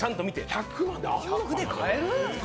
１００で買える？